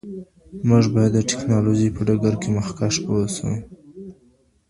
موږ باید د ټیکنالوژۍ په ډګر کي مخکښ اوسو.